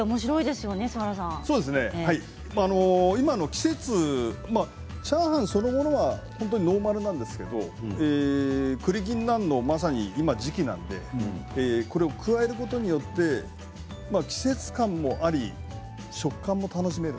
今の季節チャーハンそのものはノーマルなんですけれどくり、ぎんなんの時期なのでこれを加えることによって季節感も食感も楽しめる。